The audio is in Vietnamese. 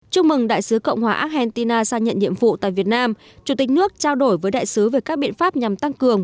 chúc mừng đại sứ cộng hòa argentina sang nhận nhiệm vụ tại việt nam chủ tịch nước trao đổi với đại sứ về các biện pháp nhằm tăng cường